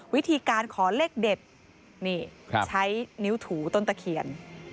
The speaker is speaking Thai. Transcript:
วิธีการขอเลขเด็ดนี่ใช้นิ้วถูต้นตะเคียน